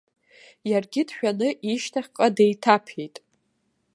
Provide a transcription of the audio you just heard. Иаргьы дшәаны ишьҭахьҟа деиҭаԥеит.